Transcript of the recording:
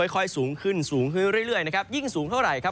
ค่อยสูงขึ้นสูงขึ้นเรื่อยนะครับยิ่งสูงเท่าไหร่ครับ